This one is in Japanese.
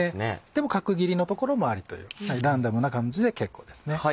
でも角切りの所もありというランダムな感じで結構ですね。